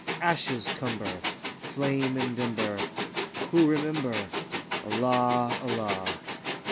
Ashes cumber Flame and ember, Who remember— Allah, Allah!